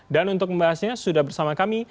dan untuk membahasnya sudah bersama kami